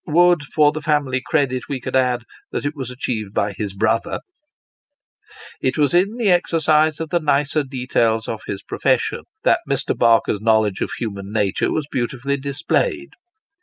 Would, for the family credit we could add, that it was achieved by his brother ! It was in the exercise of the nicer details of his profession, that Mr. Barker's knowledge of human nature was beautifully displayed.